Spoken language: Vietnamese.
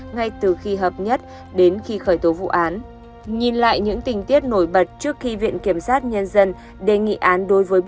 ngay từ khi hợp nhất đến khi bị cáo lan